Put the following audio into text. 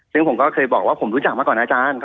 ซึ่งผมก็เคยบอกว่าผมรู้จักมาก่อนอาจารย์